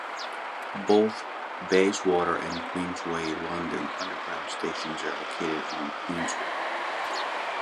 Both Bayswater and Queensway London Underground stations are located on Queensway.